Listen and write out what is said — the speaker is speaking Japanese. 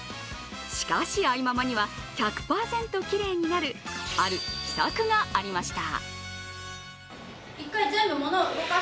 しかし、愛ママには１００％きれいになる、ある秘策がありました。